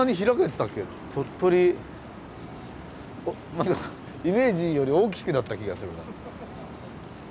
何かイメージより大きくなった気がするな。